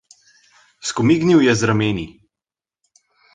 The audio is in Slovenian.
Skomignil je z rameni.